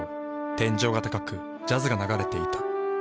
天井が高くジャズが流れていた。